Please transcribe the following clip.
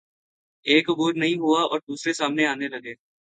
ایک عبور نہیں ہوا اور دوسرے سامنے آنے لگے۔